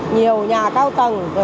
nhiều nhà cao tầng